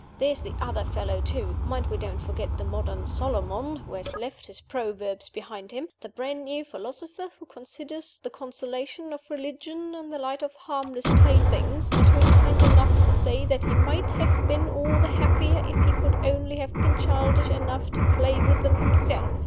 There's the other fellow, too: mind we don't forget the modern Solomon, who has left his proverbs behind him the brand new philosopher who considers the consolations of religion in the light of harmless playthings, and who is kind enough to say that he might have been all the happier if he could only have been childish enough to play with them himself.